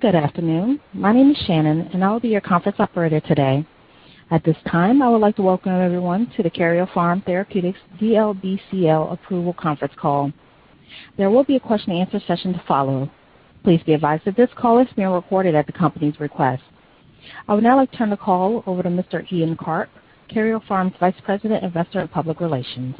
Good afternoon. My name is Shannon. I'll be your conference operator today. At this time, I would like to welcome everyone to the Karyopharm Therapeutics DLBCL Approval Conference Call. There will be a question-and-answer session to follow. Please be advised that this call is being recorded at the company's request. I would now like to turn the call over to Mr. Ian Karp, Karyopharm's Vice President, Investor and Public Relations.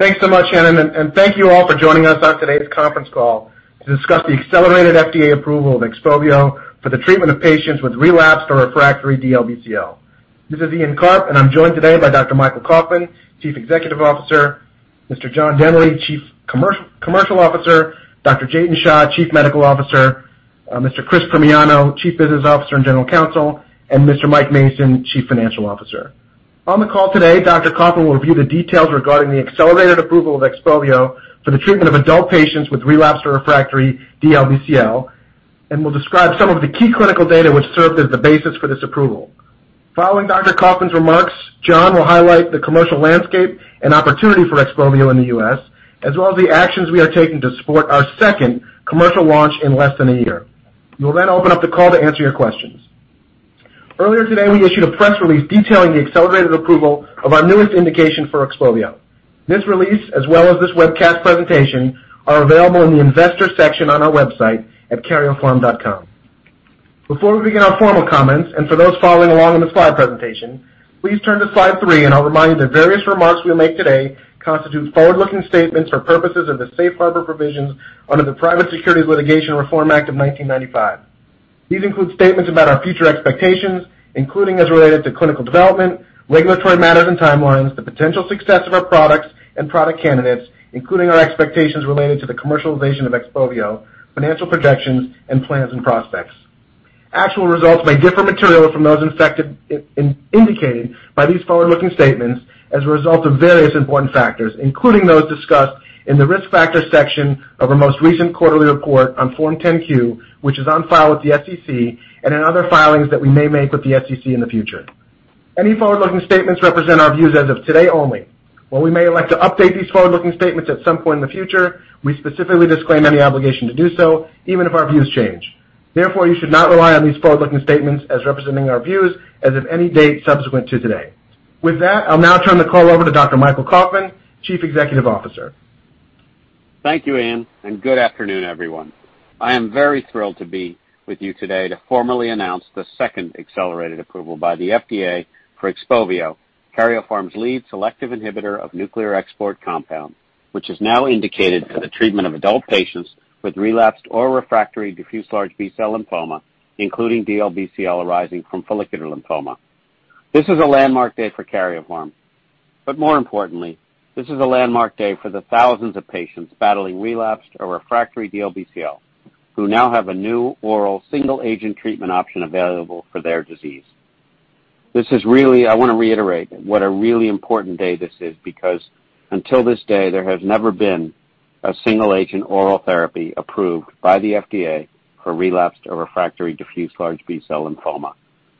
Thanks so much, Shannon. Thank you all for joining us on today's conference call to discuss the accelerated FDA approval of XPOVIO for the treatment of patients with relapsed or refractory DLBCL. This is Ian Karp, and I'm joined today by Dr. Michael Kauffman, Chief Executive Officer, Mr. John Demaree, Chief Commercial Officer, Dr. Jatin Shah, Chief Medical Officer, Mr. Chris Primiano, Chief Business Officer and General Counsel, and Mr. Mike Mason, Chief Financial Officer. On the call today, Dr. Kauffman will review the details regarding the accelerated approval of XPOVIO for the treatment of adult patients with relapsed or refractory DLBCL, and will describe some of the key clinical data which served as the basis for this approval. Following Dr. Kauffman's remarks, John will highlight the commercial landscape and opportunity for XPOVIO in the U.S., as well as the actions we are taking to support our second commercial launch in less than a year. We will then open up the call to answer your questions. Earlier today, we issued a press release detailing the accelerated approval of our newest indication for XPOVIO. This release, as well as this webcast presentation, are available in the investor section on our website at karyopharm.com. Before we begin our formal comments, and for those following along in the slide presentation, please turn to slide three, and I'll remind you that various remarks we make today constitute forward-looking statements for purposes of the safe harbor provisions under the Private Securities Litigation Reform Act of 1995. These include statements about our future expectations, including as related to clinical development, regulatory matters and timelines, the potential success of our products and product candidates, including our expectations related to the commercialization of XPOVIO, financial projections, and plans and prospects. Actual results may differ materially from those indicated by these forward-looking statements as a result of various important factors, including those discussed in the Risk Factors section of our most recent quarterly report on Form 10-Q, which is on file with the SEC and in other filings that we may make with the SEC in the future. Any forward-looking statements represent our views as of today only. While we may like to update these forward-looking statements at some point in the future, we specifically disclaim any obligation to do so, even if our views change. Therefore, you should not rely on these forward-looking statements as representing our views as of any date subsequent to today. With that, I'll now turn the call over to Dr. Michael Kauffman, Chief Executive Officer. Thank you, Ian, and good afternoon, everyone. I am very thrilled to be with you today to formally announce the second accelerated approval by the FDA for XPOVIO, Karyopharm's lead selective inhibitor of nuclear export compound, which is now indicated for the treatment of adult patients with relapsed or refractory diffuse large B-cell lymphoma, including DLBCL arising from follicular lymphoma. This is a landmark day for Karyopharm. More importantly, this is a landmark day for the thousands of patients battling relapsed or refractory DLBCL, who now have a new oral single-agent treatment option available for their disease. I want to reiterate what a really important day this is, because until this day, there has never been a single-agent oral therapy approved by the FDA for relapsed or refractory diffuse large B-cell lymphoma.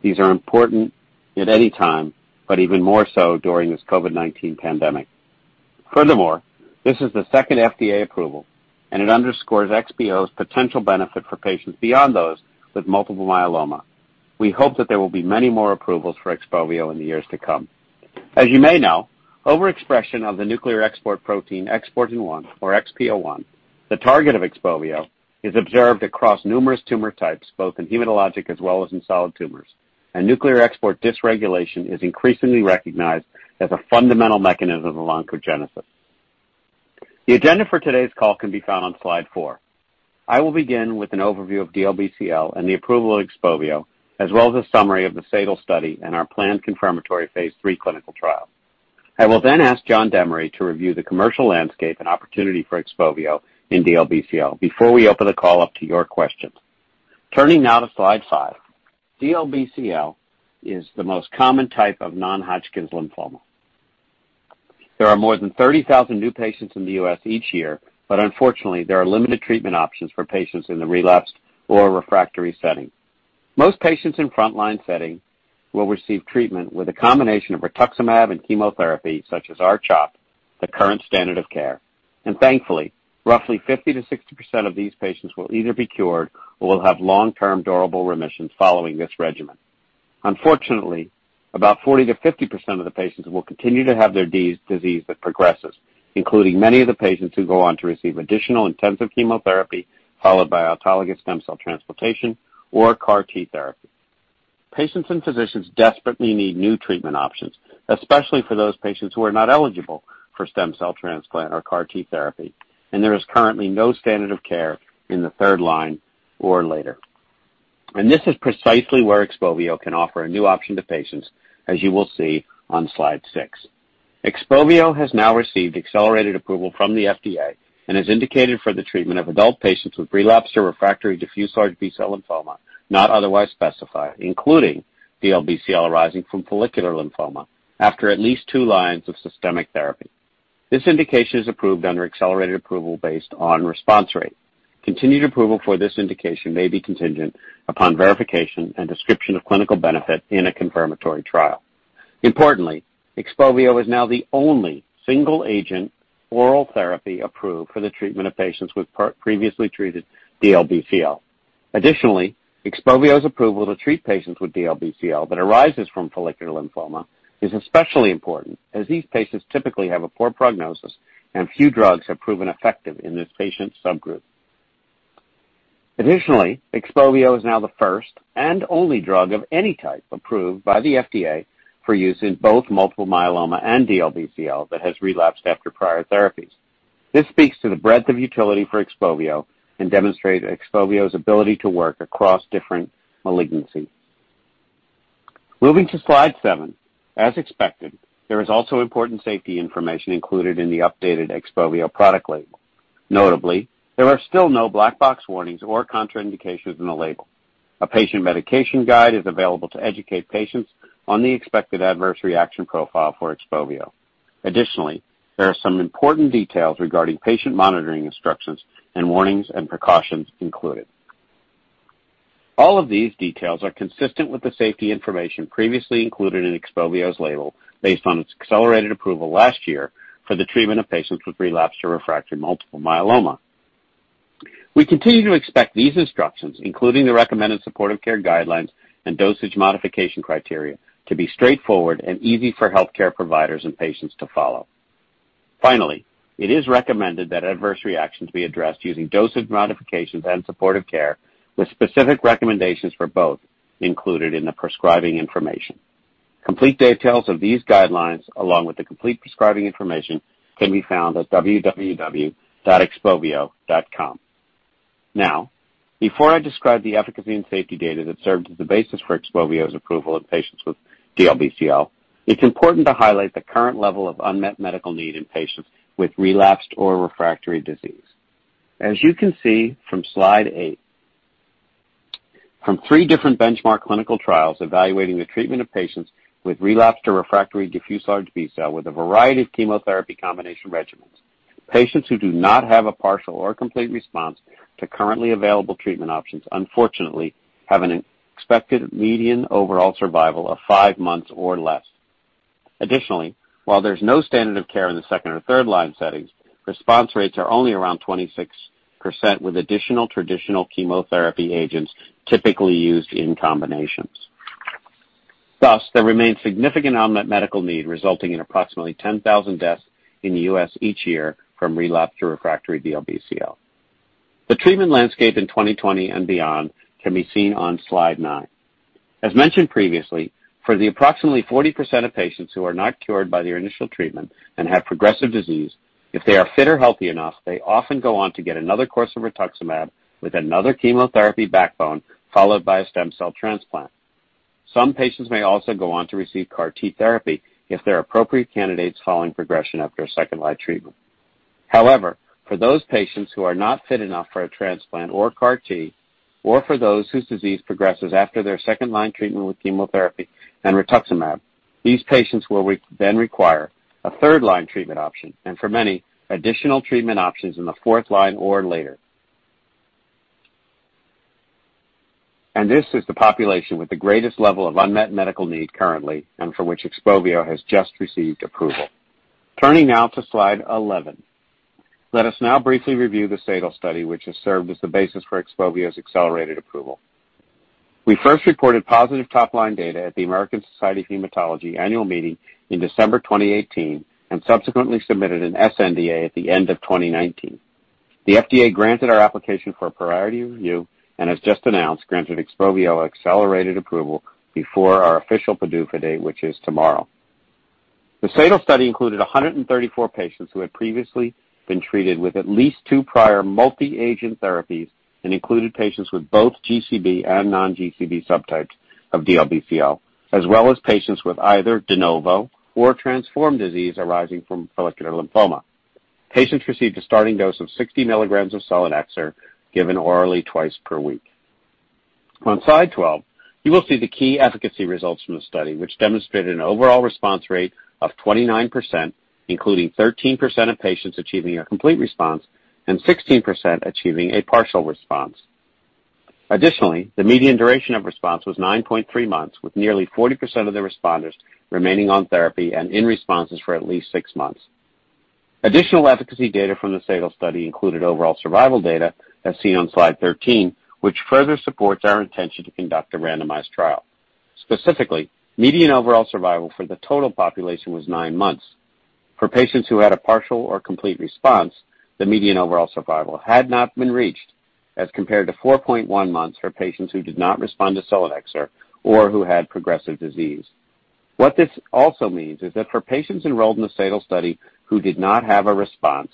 These are important at any time, but even more so during this COVID-19 pandemic. Furthermore, this is the second FDA approval. It underscores XPOVIO's potential benefit for patients beyond those with multiple myeloma. We hope that there will be many more approvals for XPOVIO in the years to come. As you may know, overexpression of the nuclear export protein Xport1 or XPO1, the target of XPOVIO, is observed across numerous tumor types, both in hematologic as well as in solid tumors. Nuclear export dysregulation is increasingly recognized as a fundamental mechanism of oncogenesis. The agenda for today's call can be found on slide four. I will begin with an overview of DLBCL and the approval of XPOVIO, as well as a summary of the SADAL study and our planned confirmatory phase III clinical trial. I will ask John Demaree to review the commercial landscape and opportunity for XPOVIO in DLBCL before we open the call up to your questions. Turning now to slide five. DLBCL is the most common type of non-Hodgkin's lymphoma. There are more than 30,000 new patients in the U.S. each year, unfortunately, there are limited treatment options for patients in the relapsed or refractory setting. Most patients in a frontline setting will receive treatment with a combination of rituximab and chemotherapy, such as R-CHOP, the current standard of care. Thankfully, roughly 50%-60% of these patients will either be cured or will have long-term, durable remissions following this regimen. Unfortunately, about 40%-50% of the patients will continue to have their disease that progresses, including many of the patients who go on to receive additional intensive chemotherapy, followed by autologous stem cell transplantation or CAR T therapy. Patients and physicians desperately need new treatment options, especially for those patients who are not eligible for stem cell transplant or CAR T therapy, and there is currently no standard of care in the third line or later. This is precisely where XPOVIO can offer a new option to patients, as you will see on slide six. XPOVIO has now received accelerated approval from the FDA and is indicated for the treatment of adult patients with relapsed or refractory diffuse large B-cell lymphoma, not otherwise specified, including DLBCL arising from follicular lymphoma, after at least two lines of systemic therapy. This indication is approved under accelerated approval based on response rate. Continued approval for this indication may be contingent upon verification and description of clinical benefit in a confirmatory trial. Importantly, XPOVIO is now the only single-agent oral therapy approved for the treatment of patients with previously treated DLBCL. Additionally, XPOVIO's approval to treat patients with DLBCL that arises from follicular lymphoma is especially important, as these patients typically have a poor prognosis, and few drugs have proven effective in this patient subgroup. Additionally, XPOVIO is now the first and only drug of any type approved by the FDA for use in both multiple myeloma and DLBCL that has relapsed after prior therapies. This speaks to the breadth of utility for XPOVIO and demonstrates XPOVIO's ability to work across different malignancies. Moving to slide seven. As expected, there is also important safety information included in the updated XPOVIO product label. Notably, there are still no black box warnings or contraindications in the label. A patient medication guide is available to educate patients on the expected adverse reaction profile for XPOVIO. Additionally, there are some important details regarding patient monitoring instructions, warnings, and precautions included. All of these details are consistent with the safety information previously included in XPOVIO's label based on its accelerated approval last year for the treatment of patients with relapsed or refractory multiple myeloma. We continue to expect these instructions, including the recommended supportive care guidelines and dosage modification criteria, to be straightforward and easy for healthcare providers and patients to follow. Finally, it is recommended that adverse reactions be addressed using dosage modifications and supportive care, with specific recommendations for both included in the prescribing information. Complete details of these guidelines, along with the complete prescribing information, can be found at www.xpovio.com. Before I describe the efficacy and safety data that served as the basis for XPOVIO's approval in patients with DLBCL, it's important to highlight the current level of unmet medical need in patients with relapsed or refractory disease. As you can see from slide eight, from three different benchmark clinical trials evaluating the treatment of patients with relapsed or refractory Diffuse Large B-cell with a variety of chemotherapy combination regimens, patients who do not have a partial or complete response to currently available treatment options unfortunately, have an expected median overall survival of five months or less. Additionally, while there's no standard of care in the second- or third-line settings, response rates are only around 26% with additional traditional chemotherapy agents typically used in combinations. Thus, there remains significant unmet medical need resulting in approximately 10,000 deaths in the U.S. each year from relapsed or refractory DLBCL. The treatment landscape in 2020 and beyond can be seen on slide nine. As mentioned previously, for the approximately 40% of patients who are not cured by their initial treatment and have progressive disease, if they are fit or healthy enough, they often go on to get another course of rituximab with another chemotherapy backbone, followed by a stem cell transplant. Some patients may also go on to receive CAR T therapy if they're appropriate candidates following progression after a second-line treatment. However, for those patients who are not fit enough for a transplant or CAR T, or for those whose disease progresses after their second-line treatment with chemotherapy and rituximab, these patients will then require a third-line treatment option, and for many, additional treatment options in the fourth line or later. This is the population with the greatest level of unmet medical need currently, and for which XPOVIO has just received approval. Turning now to slide 11. Let us now briefly review the SADAL study, which has served as the basis for XPOVIO's accelerated approval. We first reported positive top-line data at the American Society of Hematology annual meeting in December 2018 and subsequently submitted an sNDA at the end of 2019. The FDA granted our application for priority review and has just granted XPOVIO accelerated approval before our official PDUFA date, which is tomorrow. The SADAL study included 134 patients who had previously been treated with at least two prior multi-agent therapies and included patients with both GCB and non-GCB subtypes of DLBCL, as well as patients with either de novo or transformed disease arising from follicular lymphoma. Patients received a starting dose of 60 mg of selinexor given orally twice per week. On slide 12, you will see the key efficacy results from the study, which demonstrated an overall response rate of 29%, including 13% of patients achieving a complete response and 16% achieving a partial response. The median duration of response was nine point three months, with nearly 40% of the responders remaining on therapy and in responses for at least six months. Additional efficacy data from the SADAL study included overall survival data, as seen on slide 13, which further supports our intention to conduct a randomized trial. Median overall survival for the total population was nine months. For patients who had a partial or complete response, the median overall survival had not been reached, as compared to four point one months for patients who did not respond to selinexor or who had progressive disease. What this also means is that for patients enrolled in the SADAL study who did not have a response,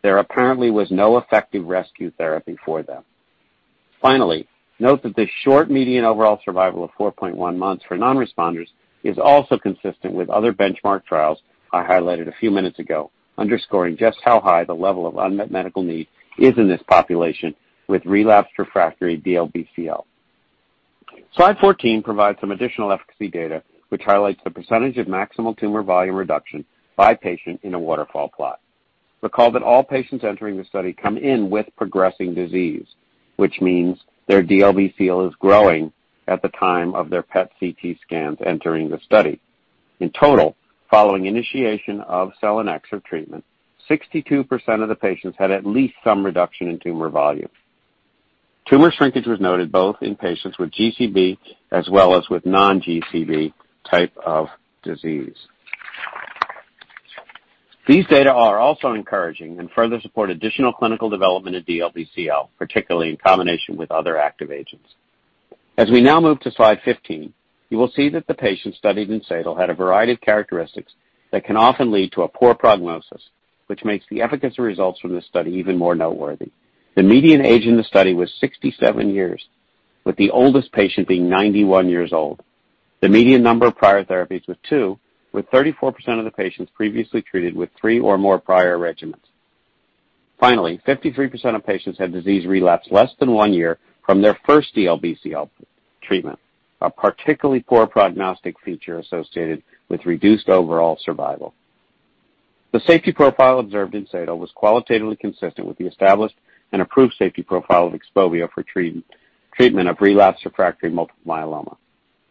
there apparently was no effective rescue therapy for them. Finally, note that the short median overall survival of four point one months for non-responders is also consistent with other benchmark trials I highlighted a few minutes ago, underscoring just how high the level of unmet medical need is in this population with relapsed/refractory DLBCL. Slide 14 provides some additional efficacy data which highlights the percentage of maximal tumor volume reduction by patient in a waterfall plot. Recall that all patients entering the study come in with progressing disease, which means their DLBCL is growing at the time of their PET-CT scans entering the study. In total, following initiation of selinexor treatment, 62% of the patients had at least some reduction in tumor volume. Tumor shrinkage was noted both in patients with GCB as well as with non-GCB type of disease. These data are also encouraging and further support additional clinical development of DLBCL, particularly in combination with other active agents. As we now move to slide 15, you will see that the patients studied in SADAL had a variety of characteristics that can often lead to a poor prognosis, which makes the efficacy results from this study even more noteworthy. The median age in the study was 67 years, with the oldest patient being 91 years old. The median number of prior therapies was two, with 34% of the patients previously treated with three or more prior regimens. Finally, 53% of patients had disease relapse less than one year from their first DLBCL treatment, a particularly poor prognostic feature associated with reduced overall survival. The safety profile observed in SADAL was qualitatively consistent with the established and approved safety profile of XPOVIO for treatment of relapsed refractory multiple myeloma.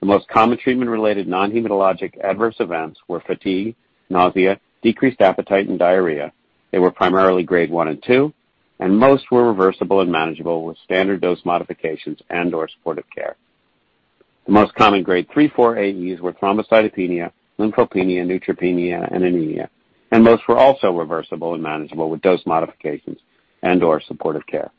The most common treatment-related non-hematologic adverse events were fatigue, nausea, decreased appetite, and diarrhea. They were primarily grade one and two, and most were reversible and manageable with standard dose modifications and/or supportive care. The most common grade 3/4 AEs were thrombocytopenia, lymphopenia, neutropenia, and anemia, and most were also reversible and manageable with dose modifications and/or supportive care.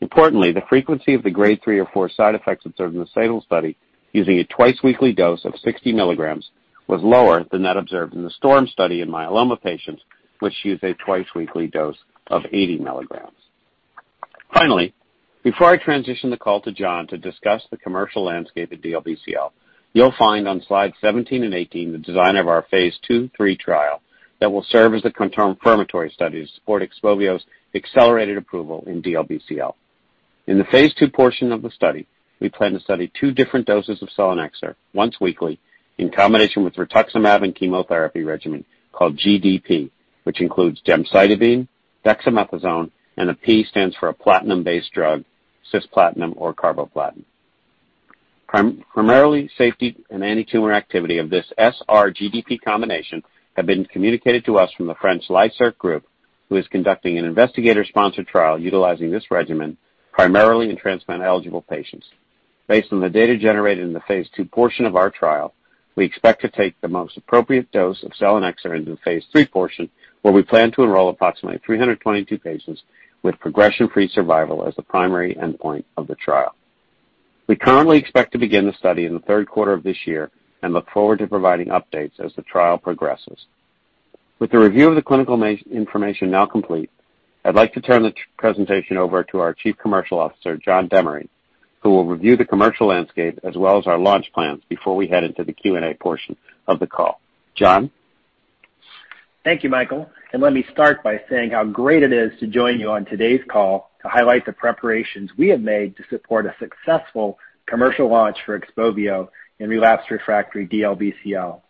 Importantly, the frequency of the grade three or four side effects observed in the SADAL study using a twice-weekly dose of 60 mg was lower than that observed in the STORM study in myeloma patients, which used a twice-weekly dose of 80 mg. Finally, before I transition the call to John to discuss the commercial landscape of DLBCL, you'll find on slide 17 and 18 the design of our phase II/III trial that will serve as the confirmatory study to support XPOVIO's accelerated approval in DLBCL. In the phase II portion of the study, we plan to study two different doses of selinexor, once weekly, in combination with rituximab and chemotherapy regimen called GDP, which includes gemcitabine, dexamethasone, and a P stands for a platinum-based drug, cisplatin or carboplatin. Primarily, safety and anti-tumor activity of this SR-GDP combination have been communicated to us from the French LYSA group, who is conducting an investigator-sponsored trial utilizing this regimen primarily in transplant-eligible patients. Based on the data generated in the phase II portion of our trial, we expect to take the most appropriate dose of selinexor into the phase III portion, where we plan to enroll approximately 322 patients with progression-free survival as the primary endpoint of the trial. We currently expect to begin the study in the third quarter of this year and look forward to providing updates as the trial progresses. With the review of the clinical information now complete, I'd like to turn the presentation over to our Chief Commercial Officer, John Demaree, who will review the commercial landscape as well as our launch plans before we head into the Q&A portion of the call. John? Thank you, Michael, and let me start by saying how great it is to join you on today's call to highlight the preparations we have made to support a successful commercial launch for XPOVIO in relapsed/refractory DLBCL.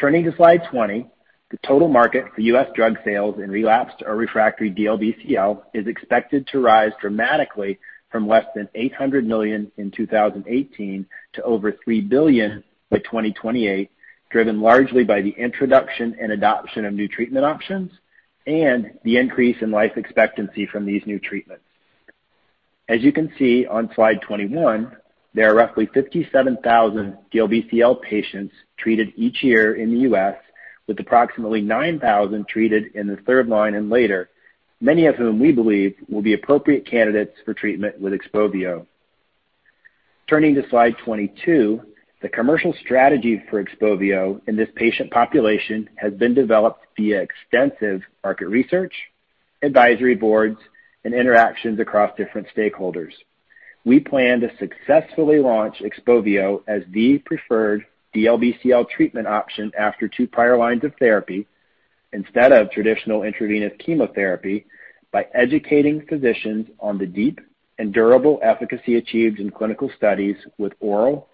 Turning to slide 20, the total market for U.S. drug sales in relapsed or refractory DLBCL is expected to rise dramatically from less than $800 million in 2018 to over $3 billion by 2028, driven largely by the introduction and adoption of new treatment options and the increase in life expectancy from these new treatments. As you can see on slide 21, there are roughly 57,000 DLBCL patients treated each year in the U.S., with approximately 9,000 treated in the third line and later, many of whom we believe will be appropriate candidates for treatment with XPOVIO. Turning to slide 22, the commercial strategy for XPOVIO in this patient population has been developed via extensive market research, advisory boards, and interactions across different stakeholders. We plan to successfully launch XPOVIO as the preferred DLBCL treatment option after two prior lines of therapy instead of traditional intravenous chemotherapy by educating physicians on the deep and durable efficacy achieved in clinical studies with oral,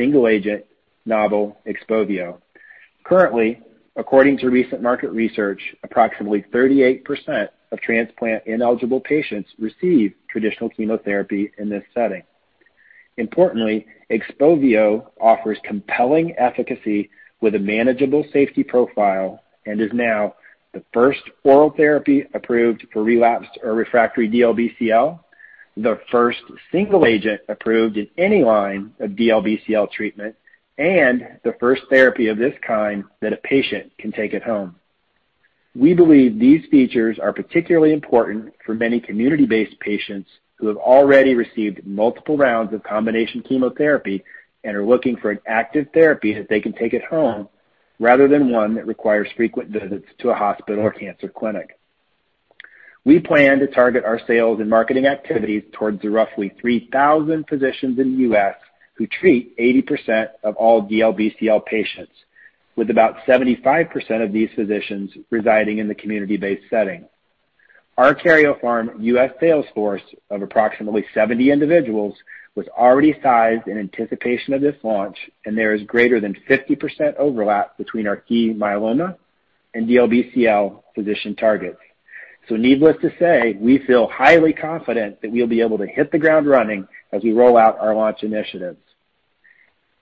single-agent novel XPOVIO. Currently, according to recent market research, approximately 38% of transplant-ineligible patients receive traditional chemotherapy in this setting. Importantly, XPOVIO offers compelling efficacy with a manageable safety profile and is now the first oral therapy approved for relapsed or refractory DLBCL, the first single agent approved in any line of DLBCL treatment, and the first therapy of this kind that a patient can take at home. We believe these features are particularly important for many community-based patients who have already received multiple rounds of combination chemotherapy and are looking for an active therapy that they can take at home rather than one that requires frequent visits to a hospital or cancer clinic. We plan to target our sales and marketing activities towards the roughly 3,000 physicians in the U.S. who treat 80% of all DLBCL patients, with about 75% of these physicians residing in the community-based setting. Our Karyopharm U.S. sales force of approximately 70 individuals was already sized in anticipation of this launch, and there is greater than 50% overlap between our key myeloma and DLBCL physician targets. Needless to say, we feel highly confident that we'll be able to hit the ground running as we roll out our launch initiatives.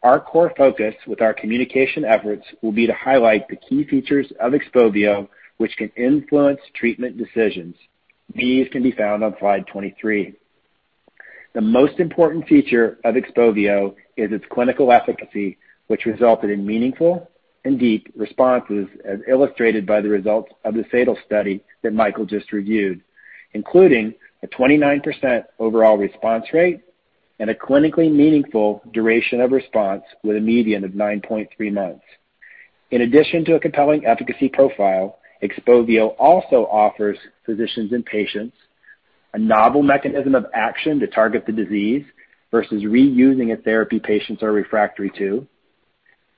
Our core focus with our communication efforts will be to highlight the key features of XPOVIO, which can influence treatment decisions. These can be found on slide 23. The most important feature of XPOVIO is its clinical efficacy, which resulted in meaningful and deep responses as illustrated by the results of the SADAL study that Michael just reviewed, including a 29% overall response rate and a clinically meaningful duration of response with a median of nine point three months. In addition to a compelling efficacy profile, XPOVIO also offers physicians and patients a novel mechanism of action to target the disease versus reusing a therapy patients are refractory to,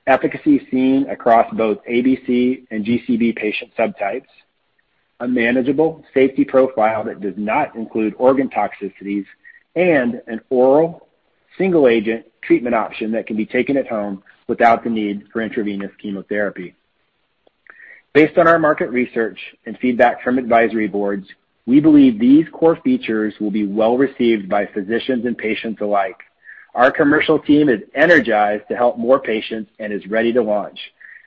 efficacy seen across both ABC and GCB patient subtypes, a manageable safety profile that does not include organ toxicities, and an oral single-agent treatment option that can be taken at home without the need for intravenous chemotherapy. Based on our market research and feedback from advisory boards, we believe these core features will be well-received by physicians and patients alike. Our commercial team is energized to help more patients and is ready to launch.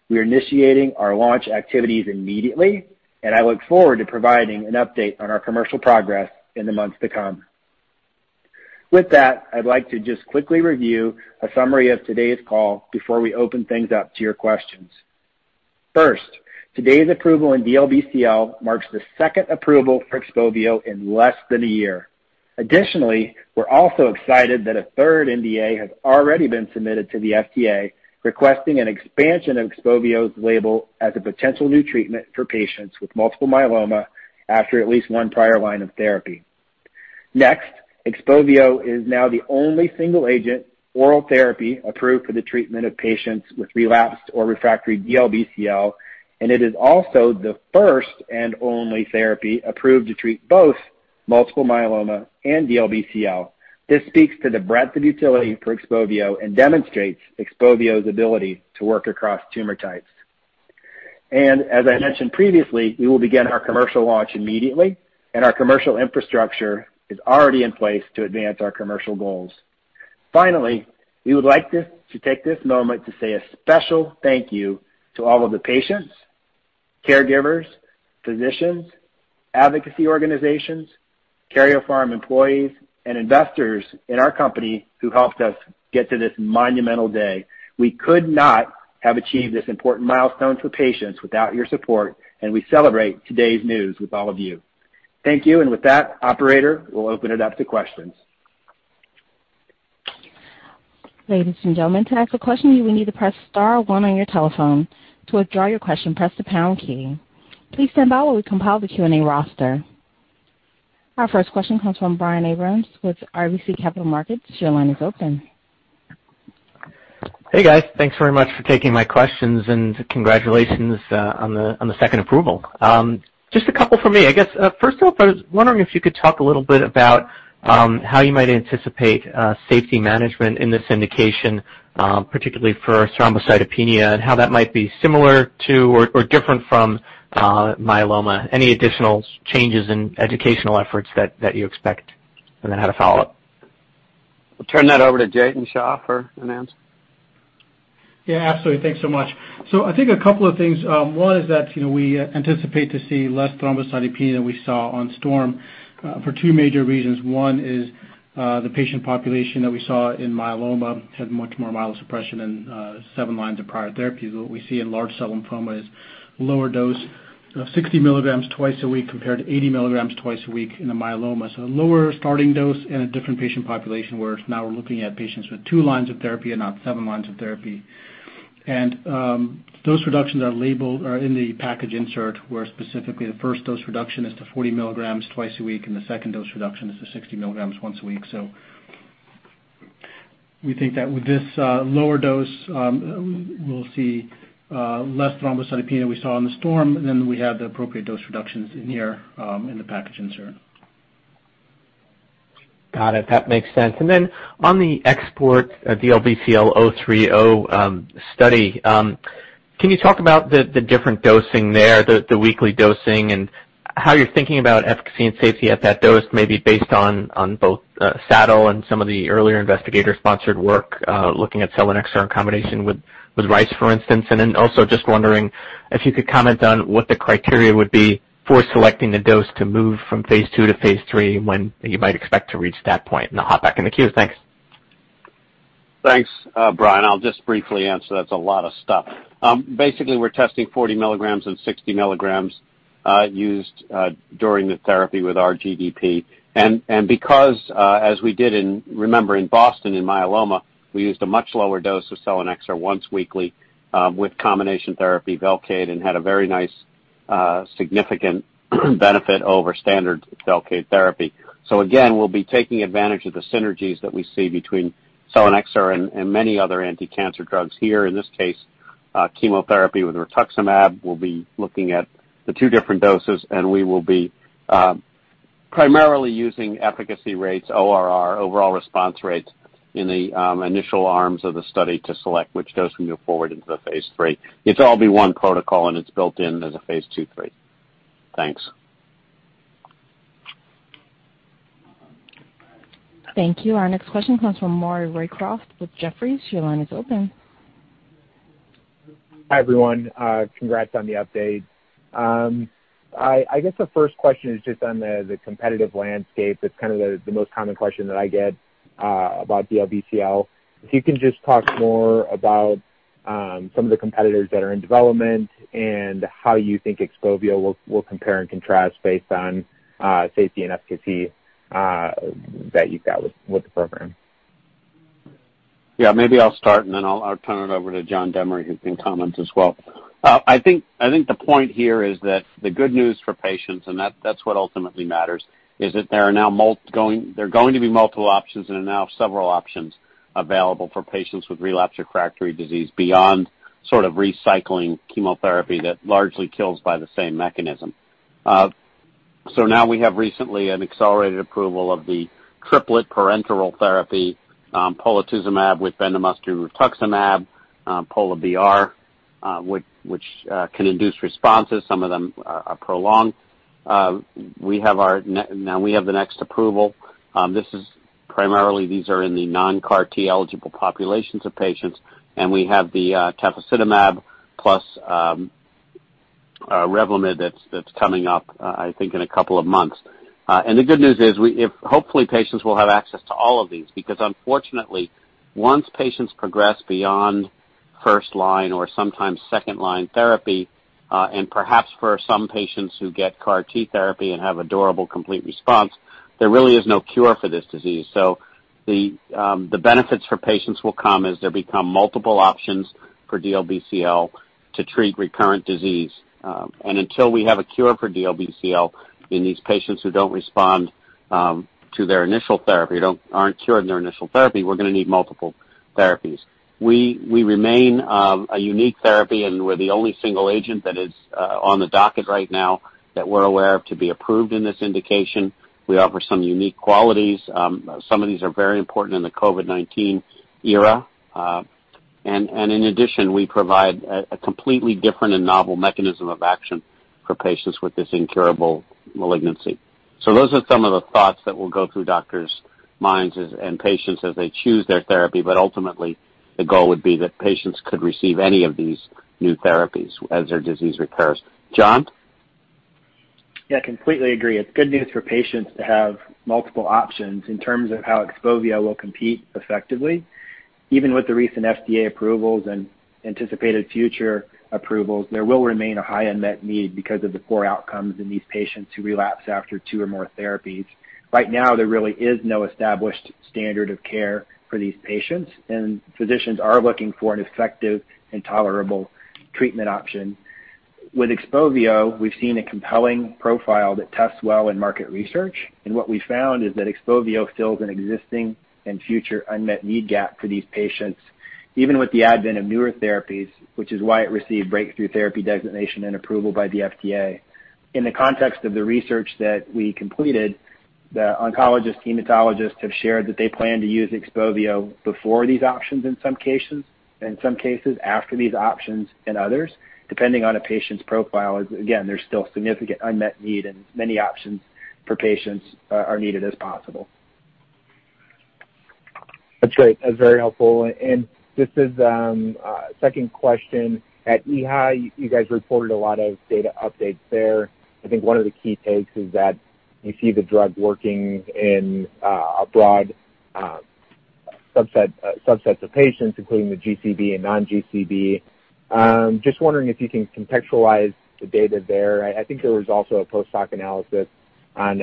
We are initiating our launch activities immediately, and I look forward to providing an update on our commercial progress in the months to come. With that, I'd like to just quickly review a summary of today's call before we open things up to your questions. First, today's approval in DLBCL marks the second approval for XPOVIO in less than a year. Additionally, we're also excited that a third NDA has already been submitted to the FDA, requesting an expansion of XPOVIO's label as a potential new treatment for patients with multiple myeloma after at least one prior line of therapy. XPOVIO is now the only single-agent oral therapy approved for the treatment of patients with relapsed or refractory DLBCL. It Is also the first and only therapy approved to treat both multiple myeloma and DLBCL. This speaks to the breadth of utility for XPOVIO and demonstrates XPOVIO's ability to work across tumor types. As I mentioned previously, we will begin our commercial launch immediately. Our commercial infrastructure is already in place to advance our commercial goals. We would like to take this moment to say a special thank you to all of the patients, caregivers, physicians, advocacy organizations, Karyopharm employees, and investors in our company who helped us get to this monumental day. We could not have achieved this important milestone for patients without your support. We celebrate today's news with all of you. Thank you. With that, operator, we'll open it up to questions. Ladies and gentlemen, to ask a question, you will need to press star one on your telephone. To withdraw your question, press the pound key. Please stand by while we compile the Q&A roster. Our first question comes from Brian Abrahams with RBC Capital Markets. Your line is open. Hey, guys. Thanks very much for taking my questions, and congratulations on the second approval. Just a couple from me. I guess, first off, I was wondering if you could talk a little bit about how you might anticipate safety management in this indication, particularly for thrombocytopenia, and how that might be similar to or different from myeloma. Any additional changes in educational efforts that you expect? I had a follow-up. I'll turn that over to Jatin Shah for an answer. Yeah, absolutely. Thanks so much. I think a couple of things. One is that we anticipate to see less thrombocytopenia than we saw on STORM for two major reasons. One is the patient population that we saw in myeloma had much more myelosuppression and seven lines of prior therapy. What we see in large cell lymphoma is a lower dose, 60 mg twice a week compared to 80 mg twice a week in the myeloma. A lower starting dose in a different patient population, where now we're looking at patients with two lines of therapy and not seven lines of therapy. Those reductions are labeled in the package insert, where specifically the first dose reduction is to 40 mg twice a week, and the second dose reduction is to 60 mg once a week. We think that with this lower dose, we'll see less thrombocytopenia we saw in the STORM, and then we have the appropriate dose reductions in here in the package insert. Got it. That makes sense. On the XPORT-DLBCL-030 study, can you talk about the different dosing there, the weekly dosing, and how you're thinking about efficacy and safety at that dose, maybe based on both SADAL and some of the earlier investigator-sponsored work, looking at selinexor in combination with RICE, for instance? Also, just wondering if you could comment on what the criteria would be for selecting the dose to move from phase II to phase III, and when you might expect to reach that point. I'll hop back in the queue. Thanks. Thanks, Brian. I'll just briefly answer. That's a lot of stuff. Basically, we're testing 40 mg and 60 mg used during the therapy with R-GDP. Because, as we did in, remember, in BOSTON in myeloma, we used a much lower dose of selinexor once weekly with combination therapy VELCADE and had a very nice significant benefit over standard VELCADE therapy. Again, we'll be taking advantage of the synergies that we see between selinexor and many other anticancer drugs here, in this case. -chemotherapy with rituximab. We'll be looking at the two different doses. We will be primarily using efficacy rates, ORR, overall response rates, in the initial arms of the study to select which dose we move forward into the phase III. It'll all be one protocol. It's built in as a phase II/III. Thanks. Thank you. Our next question comes from Maury Raycroft with Jefferies. Your line is open. Hi, everyone. Congrats on the update. I guess the first question is just on the competitive landscape. It's kind of the most common question that I get about DLBCL. If you can just talk more about some of the competitors that are in development and how you think XPOVIO will compare and contrast based on safety and efficacy that you've got with the program. Maybe I'll start, and then I'll turn it over to John Demaree, who can comment as well. I think the point here is that the good news for patients, and that's what ultimately matters, is that there are going to be multiple options, and are now several options available for patients with relapsed or refractory disease beyond sort of recycling chemotherapy that largely kills by the same mechanism. Now we have recently an accelerated approval of the triplet parenteral therapy, polatuzumab with bendamustine rituximab, Pola-BR, which can induce responses. Some of them are prolonged. We have the next approval. Primarily, these are in the non-CAR T eligible populations of patients, and we have the tafasitamab plus Revlimid that's coming up, I think, in a couple of months. The good news is, hopefully, patients will have access to all of these, because unfortunately, once patients progress beyond first-line or sometimes second-line therapy, and perhaps for some patients who get CAR T therapy and have a durable, complete response, there really is no cure for this disease. The benefits for patients will come as there become multiple options for DLBCL to treat recurrent disease. Until we have a cure for DLBCL in these patients who don't respond to their initial therapy, aren't cured in their initial therapy, we're going to need multiple therapies. We remain a unique therapy, and we're the only single agent that is on the docket right now that we're aware of to be approved in this indication. We offer some unique qualities. Some of these are very important in the COVID-19 era. In addition, we provide a completely different and novel mechanism of action for patients with this incurable malignancy. Those are some of the thoughts that will go through doctors' minds and patients as they choose their therapy. Ultimately, the goal would be that patients could receive any of these new therapies as their disease recurs. John? Yeah, completely agree. It's good news for patients to have multiple options in terms of how XPOVIO will compete effectively. Even with the recent FDA approvals and anticipated future approvals, there will remain a high unmet need because of the poor outcomes in these patients who relapse after two or more therapies. Right now, there really is no established standard of care for these patients, and physicians are looking for an effective and tolerable treatment option. With XPOVIO, we've seen a compelling profile that tests well in market research, and what we found is that XPOVIO fills an existing and future unmet need gap for these patients, even with the advent of newer therapies, which is why it received breakthrough therapy designation and approval by the FDA. In the context of the research that we completed, the oncologist hematologists have shared that they plan to use XPOVIO before these options in some cases, and in some cases after these options than others, depending on a patient's profile. Again, there's still significant unmet need, and as many options for patients are needed as possible. That's great. That's very helpful. This is a second question. At EHA, you guys reported a lot of data updates there. I think one of the key takes is that you see the drug working in a broad subset of patients, including the GCB and non-GCB. Just wondering if you can contextualize the data there. I think there was also a post hoc analysis on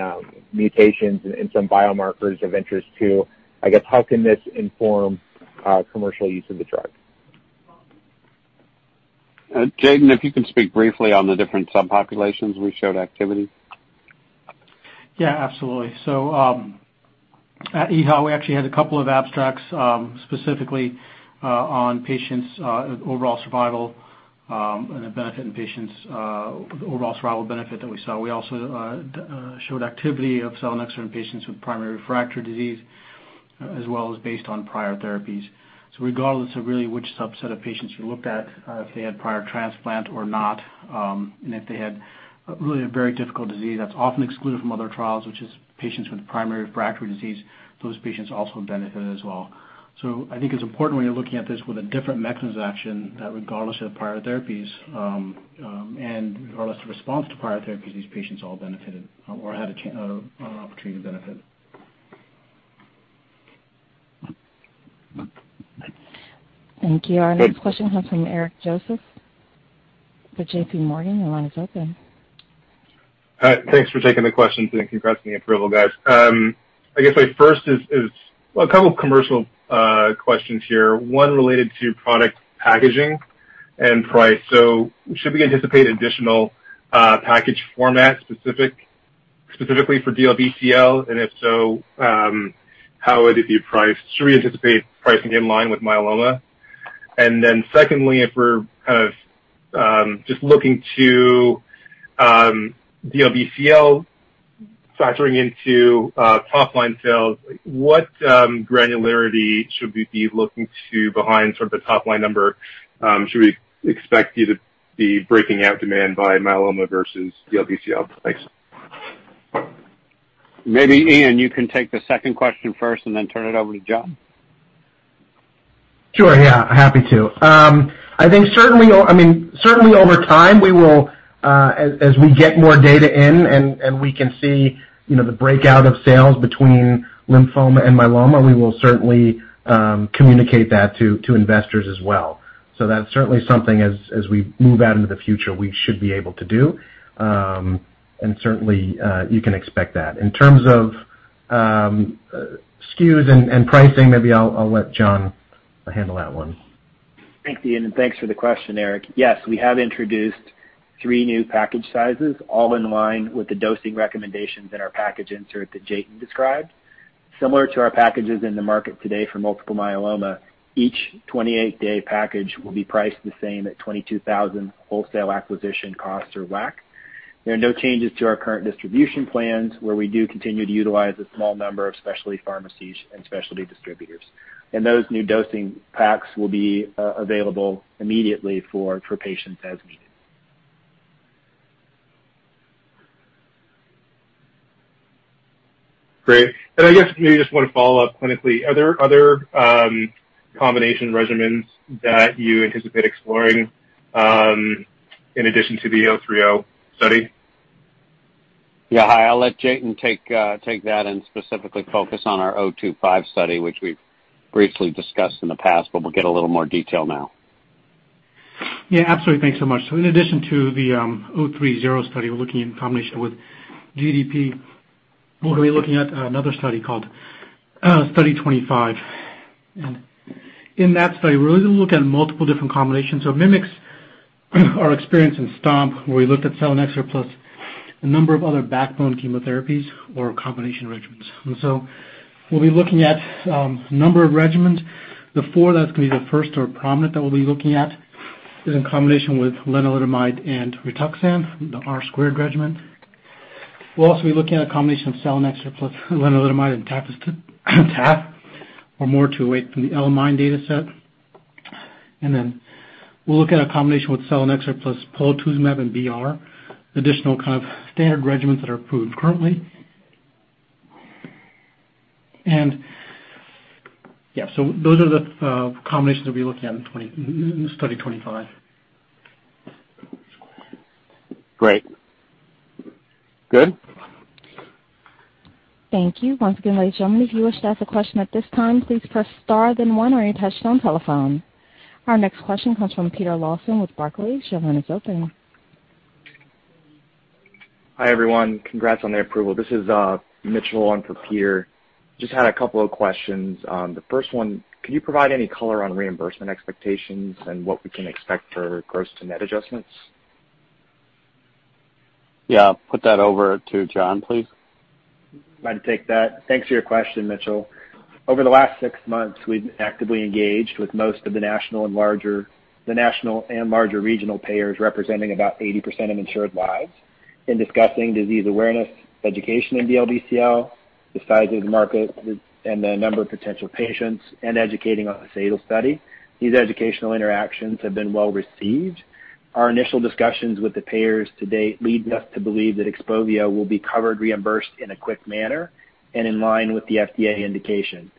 mutations and some biomarkers of interest, too. I guess, how can this inform commercial use of the drug? Jatin, if you can speak briefly on the different subpopulations we showed activity. Yeah, absolutely. At EHA, we actually had a couple of abstracts, specifically on patients' overall survival and the benefit in patients, the overall survival benefit that we saw. We also showed activity of selinexor in patients with primary refractory disease, as well as based on prior therapies. Regardless of really which subset of patients you looked at, if they had prior transplant or not, and if they had really a very difficult disease that's often excluded from other trials, which is patients with primary refractory disease, those patients also benefited as well. I think it's important when you're looking at this with a different mechanism of action, that regardless of prior therapies, and regardless of response to prior therapies, these patients all benefited or had a opportunity to benefit. Thank you. Our next question comes from Eric Joseph with JPMorgan. Your line is open. Thanks for taking the questions, and congrats on the approval, guys. I guess my first is a couple commercial questions here. One related to product packaging and price. Should we anticipate additional package format specifically for DLBCL, and if so, how would it be priced? Should we anticipate pricing in line with myeloma? Secondly, if we're just looking to DLBCL factoring into top-line sales, what granularity should we be looking to behind the top-line number? Should we expect you to be breaking out demand by myeloma versus DLBCL? Thanks. Maybe, Ian, you can take the second question first and then turn it over to John. Sure. Yeah, happy to. I think certainly over time, as we get more data in and we can see the breakout of sales between lymphoma and myeloma, we will certainly communicate that to investors as well. That's certainly something, as we move out into the future, we should be able to do. Certainly, you can expect that. In terms of SKUs and pricing, maybe I'll let John handle that one. Thanks, Ian, and thanks for the question, Eric. Yes, we have introduced three new package sizes, all in line with the dosing recommendations in our package insert that Jatin described. Similar to our packages in the market today for multiple myeloma, each 28-day package will be priced the same at $22,000 wholesale acquisition costs or WAC. There are no changes to our current distribution plans, where we do continue to utilize a small number of specialty pharmacies and specialty distributors. Those new dosing packs will be available immediately for patients as needed. Great. I guess maybe just one follow-up clinically. Are there other combination regimens that you anticipate exploring in addition to the 030 study? Yeah. Hi. I'll let Jatin take that and specifically focus on our Study 025, which we've briefly discussed in the past, but we'll get a little more detail now. Yeah, absolutely. Thanks so much. In addition to the 030 study, we're looking in combination with GDP. We'll be looking at another study called Study 025, and in that study, we're really going to look at multiple different combinations. It mimics our experience in STOMP, where we looked at selinexor plus a number of other backbone chemotherapies or combination regimens. We'll be looking at a number of regimens. The four that's going to be the first or prominent that we'll be looking at is in combination with lenalidomide and rituximab, the R-squared regimen. We'll also be looking at a combination of selinexor plus lenalidomide and tafasitamab (MOR208) from the L-MIND dataset. We'll look at a combination with selinexor plus polatuzumab and BR, additional kind of standard regimens that are approved currently. Yeah. Those are the combinations that we'll be looking at in Study 025. Great. Good. Thank you. Once again, ladies and gentlemen, if you wish to ask a question at this time, please press star then one on your touchtone telephone. Our next question comes from Peter Lawson with Barclays. Your line is open. Hi, everyone. Congrats on the approval. This is Mitchell on for Peter. Just had a couple of questions. The first one, can you provide any color on reimbursement expectations and what we can expect for gross to net adjustments? Yeah, I'll put that over to John, please. I'd take that. Thanks for your question, Mitchell. Over the last six months, we've actively engaged with most of the national and larger regional payers representing about 80% of insured lives in discussing disease awareness, education in DLBCL, the size of the market, and the number of potential patients, and educating on the SADAL study. These educational interactions have been well received. Our initial discussions with the payers to date lead us to believe that XPOVIO will be covered reimbursed in a quick manner and in line with the FDA indication.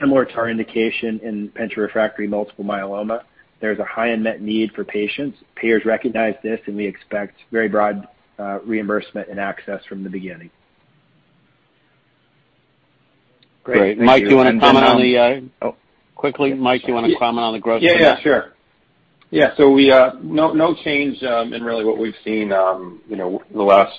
Similar to our indication in penta-refractory multiple myeloma, there's a high unmet need for patients. Payers recognize this, we expect very broad reimbursement and access from the beginning. Great. Thank you. Great. Mike, do you want to comment on? And then- Quickly, Mike, do you want to comment on the gross? Yeah. Sure. No change in really what we've seen the last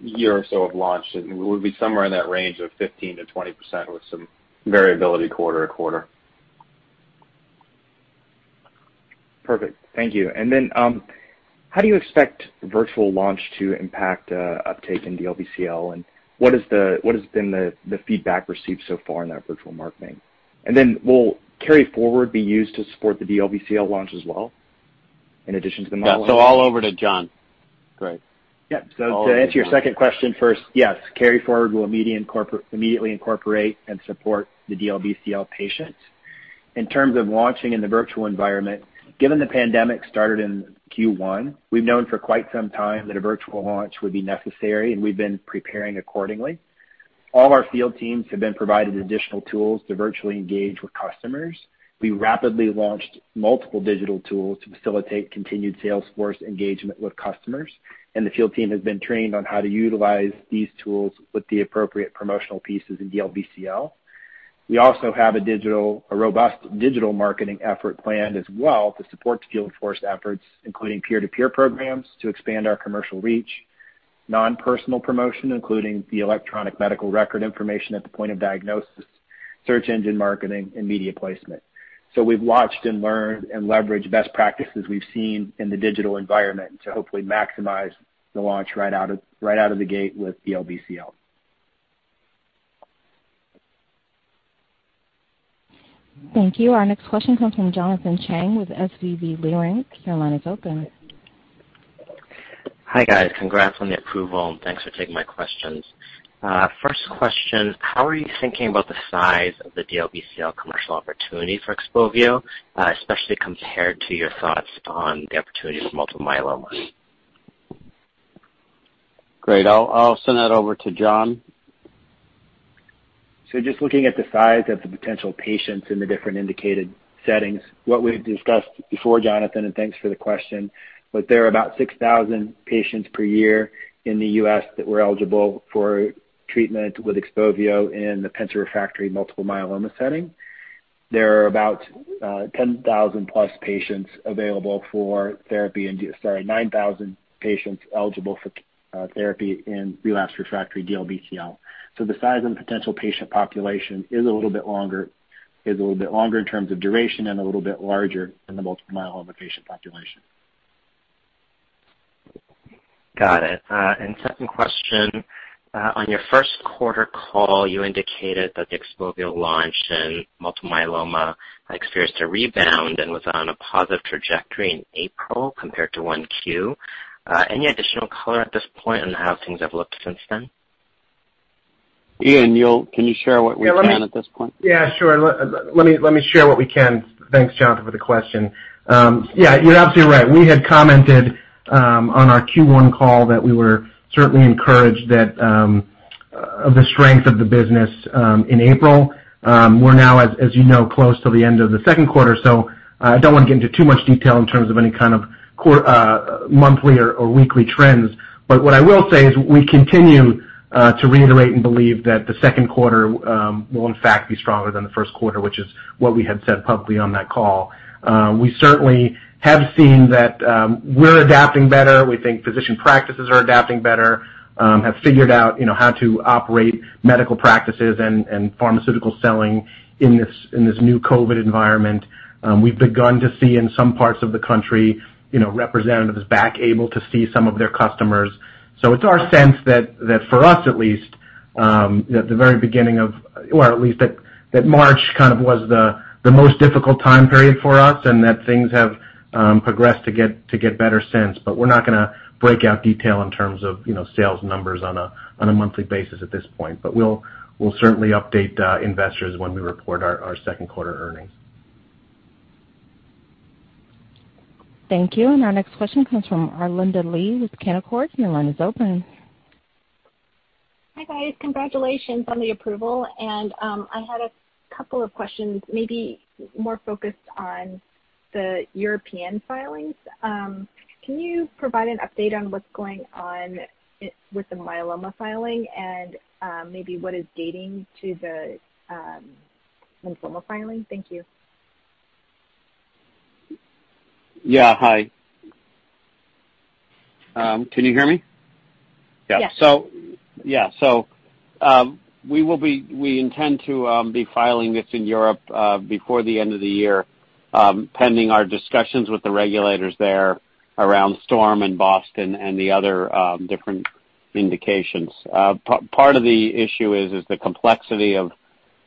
year or so of launch. We would be somewhere in that range of 15%-20% with some variability quarter-to-quarter. Perfect. Thank you. How do you expect virtual launch to impact uptake in DLBCL, and what has been the feedback received so far in that virtual marketing? Will KaryForward be used to support the DLBCL launch as well in addition to the myeloma? Yeah, all over to John. Great. Yeah. To answer your second question first, yes, KaryForward will immediately incorporate and support the DLBCL patients. In terms of launching in the virtual environment, given the pandemic started in Q1, we've known for quite some time that a virtual launch would be necessary, and we've been preparing accordingly. All our field teams have been provided additional tools to virtually engage with customers. We rapidly launched multiple digital tools to facilitate continued sales force engagement with customers. The field team has been trained on how to utilize these tools with the appropriate promotional pieces in DLBCL. We also have a robust digital marketing effort planned as well to support the field force efforts, including peer-to-peer programs to expand our commercial reach, non-personal promotion, including the electronic medical record information at the point of diagnosis. Search engine marketing and media placement. We've watched and learned and leveraged best practices we've seen in the digital environment to hopefully maximize the launch right out of the gate with DLBCL. Thank you. Our next question comes from Jonathan Chang with Leerink Partners. Your line is open. Hi, guys. Congrats on the approval, thanks for taking my questions. First question, how are you thinking about the size of the DLBCL commercial opportunity for XPOVIO, especially compared to your thoughts on the opportunity for multiple myeloma? Great. I'll send that over to John. Just looking at the size of the potential patients in the different indicated settings, what we've discussed before, Jonathan, and thanks for the question, there are about 6,000 patients per year in the U.S. that were eligible for treatment with XPOVIO in the penta-refractory multiple myeloma setting. There are about 10,000 plus patients available for therapy and. There are about 9,000 patients eligible for therapy in relapsed, refractory DLBCL. The size of the potential patient population is a little bit longer in terms of duration and a little bit larger than the multiple myeloma patient population. Got it. Second question. On your first quarter call, you indicated that the XPOVIO launch in multiple myeloma experienced a rebound and was on a positive trajectory in April compared to 1Q. Any additional color at this point on how things have looked since then? Ian, can you share what we can at this point? Yeah, sure. Let me share what we can. Thanks, Jonathan, for the question. Yeah, you're absolutely right. We had commented on our Q1 call that we were certainly encouraged of the strength of the business in April. We're now, as you know, close to the end of the second quarter, so I don't want to get into too much detail in terms of any kind of monthly or weekly trends. What I will say is we continue to reiterate and believe that the second quarter will, in fact, be stronger than the first quarter, which is what we had said publicly on that call. We certainly have seen that we're adapting better. We think physician practices are adapting better, have figured out how to operate medical practices and pharmaceutical selling in this new COVID-19 environment. We've begun to see in some parts of the country, representatives back able to see some of their customers. It's our sense that for us at least, that the very beginning of Or at least that March kind of was the most difficult time period for us, and that things have progressed to get better since. We're not going to break out detail in terms of sales numbers on a monthly basis at this point. We'll certainly update investors when we report our second-quarter earnings. Thank you. Our next question comes from Arlinda Lee with Canaccord. Your line is open. Hi, guys. Congratulations on the approval. I had a couple of questions, maybe more focused on the European filings. Can you provide an update on what's going on with the myeloma filing and maybe what is dating to the lymphoma filing? Thank you. Yeah, hi. Can you hear me? Yes. We intend to be filing this in Europe before the end of the year, pending our discussions with the regulators there around STORM, BOSTON, and the other different indications. Part of the issue is the complexity of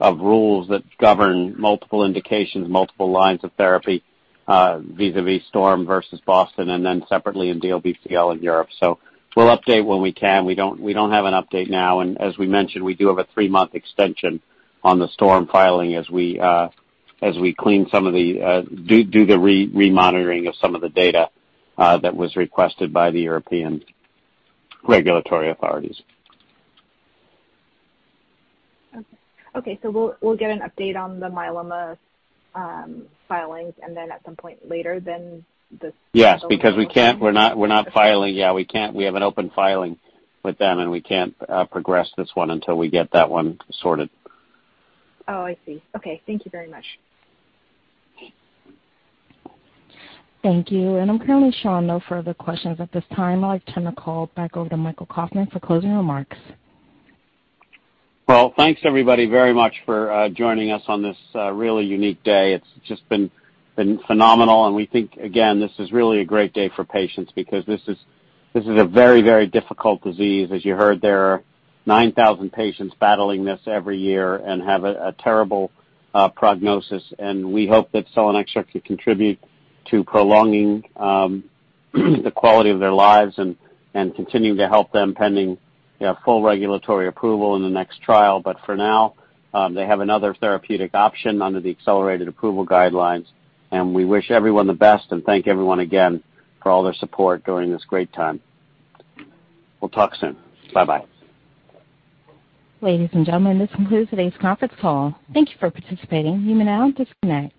rules that govern multiple indications, multiple lines of therapy, vis-à-vis STORM versus BOSTON, and then separately in DLBCL in Europe. We'll update when we can. We don't have an update now, and as we mentioned, we do have a three-month extension on the STORM filing as we do the re-monitoring of some of the data that was requested by the European regulatory authorities. Okay. We'll get an update on the myeloma filings and then at some point later. Because we're not filing. We have an open filing with them, and we can't progress this one until we get that one sorted. Oh, I see. Okay. Thank you very much. Thank you. I'm currently showing no further questions at this time. I'd like to turn the call back over to Michael Kauffman for closing remarks. Well, thanks everybody very much for joining us on this really unique day. It's just been phenomenal, and we think, again, this is really a great day for patients because this is a very, very difficult disease. As you heard, there are 9,000 patients battling this every year and have a terrible prognosis, and we hope that selinexor can contribute to prolonging the quality of their lives and continuing to help them pending full regulatory approval in the next trial. For now, they have another therapeutic option under the accelerated approval guidelines, and we wish everyone the best and thank everyone again for all their support during this great time. We'll talk soon. Bye-bye. Ladies and gentlemen, this concludes today's conference call. Thank you for participating. You may now disconnect.